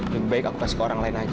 lebih baik aku kasih ke orang lain aja